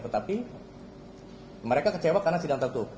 tetapi mereka kecewa karena sidang tertutup